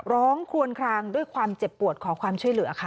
คลวนคลางด้วยความเจ็บปวดขอความช่วยเหลือค่ะ